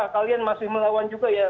kalian masih melawan juga ya